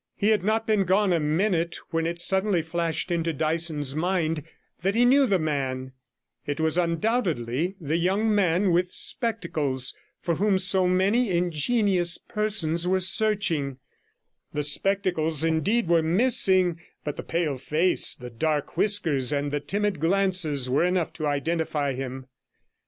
He had not been gone a minute when it suddenly flashed into Dyson's mind that he knew the man; it was undoubtedly the young man with spectacles for whom so many ingenious persons were searching; the spectacles indeed were missing; but the pale face, the dark whiskers, and the timid glances were enough to identify him.